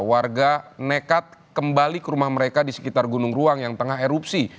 warga nekat kembali ke rumah mereka di sekitar gunung ruang yang tengah erupsi